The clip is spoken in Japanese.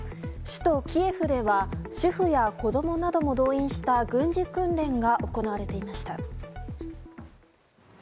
首都キエフでは主婦や子供なども動員した軍事訓練が行われていました。